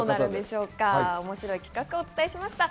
面白い企画をお伝えしました。